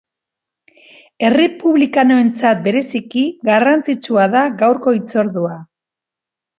Errepublikanoentzat bereziki garrantzitsua da gaurko hitzordua.